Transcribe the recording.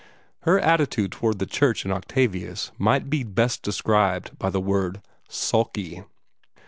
Her attitude toward the church in Octavius might best be described by the word "sulky."